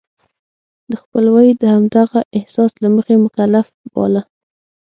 د خپلوی د همدغه احساس له مخې مکلف باله.